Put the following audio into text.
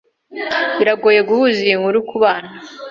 Biragoye guhuza iyi nkuru kubana.